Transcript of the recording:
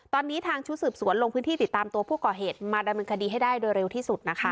ตอนนี้ทางชุดสืบสวนลงพื้นที่ติดตามตัวผู้ก่อเหตุมาดำเนินคดีให้ได้โดยเร็วที่สุดนะคะ